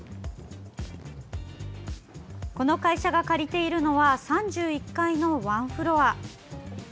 この会社が借りているのは３１階のワンフロア。